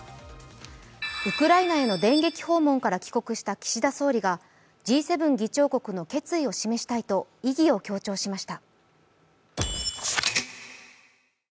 ウクライナへの電撃訪問から帰国した岸田総理がＧ７議長国の決意を示したいと意義を強調しました。